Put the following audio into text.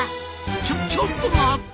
ちょちょっと待った！